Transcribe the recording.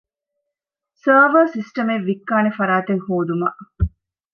ސާވާރ ސިސްޓަމެއް ވިއްކާނެ ފަރާތެއްހޯދުމަށް